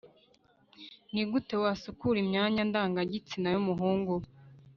Ni gute wasukura imyanya ndangagitsina y umuhungu